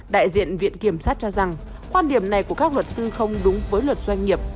đại diện viện kiểm sát cho rằng quan điểm này của các luật sư không đúng với luật doanh nghiệp